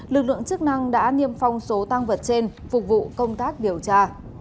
lực lượng chức năng đã niêm phong số tăng vật trên phục vụ công tác điều tra